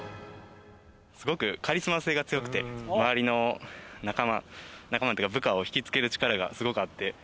すごくカリスマ性が強くて周りの仲間仲間というか部下を惹きつける力がすごくあって。